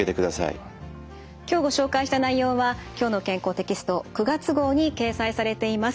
今日ご紹介した内容は「きょうの健康」テキスト９月号に掲載されています。